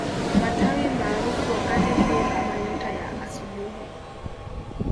Matawi maarufu wakati huo kama nyota ya asubuhi